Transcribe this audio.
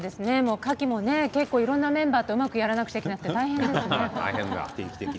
カキもいろんなメンバーとうまくやらなければいけなくて大変ですね。